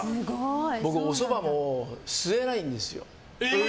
僕、おそばも吸えないんですよ。